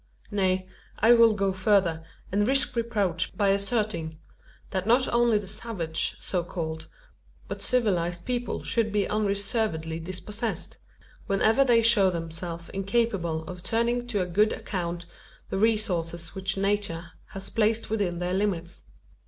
Nay, I will go further, and risk reproach, by asserting: that not only the savage, so called, but civilised people should be unreservedly dispossessed whenever they show themselves incapable of turning to a good account the resources which Nature has placed within their limits.